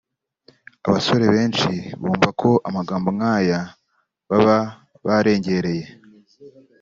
Abasore benshi bumva ko amagambo nkaya baba barengereye